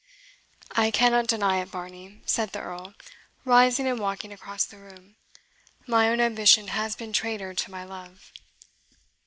"I cannot deny it, Varney," said the Earl, rising and walking across the room; "my own ambition has been traitor to my love."